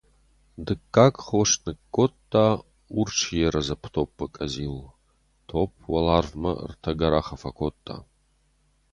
Дыккаг хост ныккодта урс ерӕдзыпп топпы къӕдзил, топп уӕларвмӕ ӕртӕ гӕрахы фӕкодта.